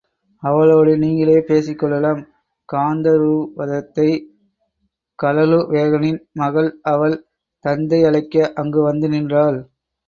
அவளோடு நீங்களே பேசிக் கொள்ளலாம். காந்தருவதத்தை கலுழவேகனின் மகள் அவள் தந்தை அழைக்க அங்கு வந்து நின்றாள்.